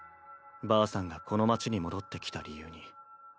ばあさんがこの町に戻ってきた理由に。